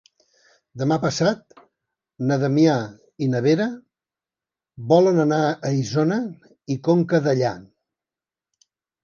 Demà passat na Damià i na Vera volen anar a Isona i Conca Dellà.